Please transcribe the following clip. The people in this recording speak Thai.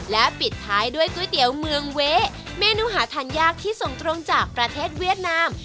และปิดท้ายด้วยก๋วยเตี๋ยวเมืองเว้เมนูหาทานยากที่ส่งตรงจากประเทศเวียดนาม